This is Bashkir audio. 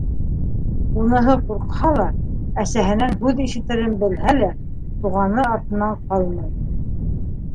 Уныһы ҡурҡһа ла, әсәһенән һүҙ ишетерен белһә лә, туғаны артынан ҡалмай.